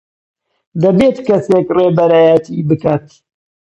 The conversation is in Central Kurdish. دەبێت کەسێک ڕێبەرایەتی بکات.